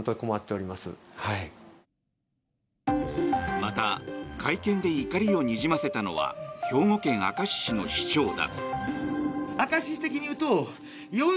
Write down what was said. また、会見で怒りをにじませたのは兵庫県明石市の市長だ。